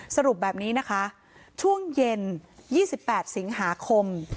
สรุปแบบนี้นะคะช่วงเย็น๒๘สิงหาคม